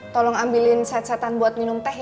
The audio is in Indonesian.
tolong ambilin set setan buat minum teh